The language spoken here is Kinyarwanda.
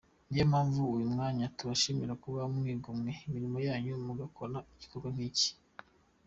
Niyo mpamvu uyu mwanya tubashimira kuba mwigomwe imirimo yanyu mugakora igikorwa nk’iki.